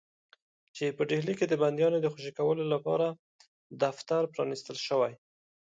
چې په ډهلي کې د بندیانو د خوشي کولو لپاره دفتر پرانیستل شوی.